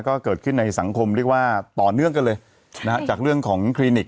ก็เกิดขึ้นในสังคมเรียกว่าต่อเนื่องกันเลยนะฮะจากเรื่องของคลินิก